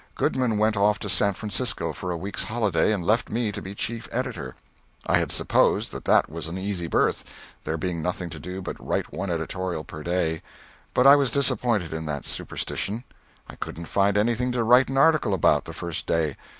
Goodman went off to San Francisco for a week's holiday, and left me to be chief editor. I had supposed that that was an easy berth, there being nothing to do but write one editorial per day; but I was disappointed in that superstition. I couldn't find anything to write an article about, the first day.